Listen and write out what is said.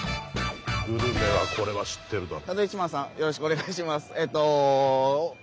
グルメはこれは知ってるだろ。